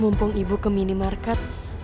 mumpung ibu ke minimarket